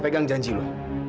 pegang janji lu